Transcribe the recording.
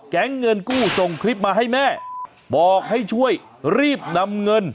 เงินกู้ส่งคลิปมาให้แม่บอกให้ช่วยรีบนำเงิน